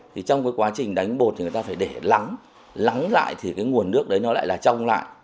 thì trong cái quá trình đánh bột thì người ta phải để lắng lắng lại thì cái nguồn nước đấy nó lại là trong lại